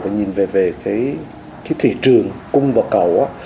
và nhìn về cái thị trường cung vào cầu